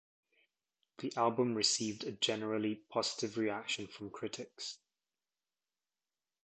The album received a generally positive reaction from critics.